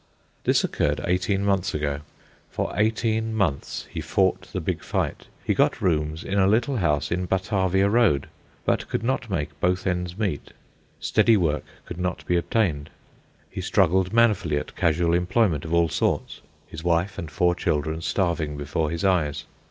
This occurred eighteen months ago. For eighteen months he fought the big fight. He got rooms in a little house in Batavia Road, but could not make both ends meet. Steady work could not be obtained. He struggled manfully at casual employment of all sorts, his wife and four children starving before his eyes.